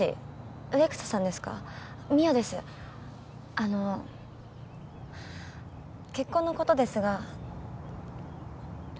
あの結婚のことですが。